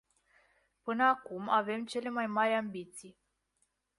Până acum avem cele mai mari ambiții.